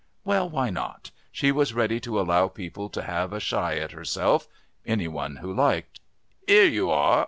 Well, why not? She was ready to allow people to have a shy at herself any one who liked.... "'Ere you are!